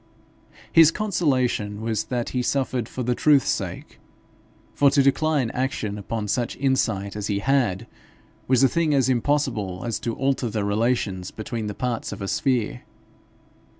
His consolation was that he suffered for the truth's sake, for to decline action upon such insight as he had had, was a thing as impossible as to alter the relations between the parts of a sphere.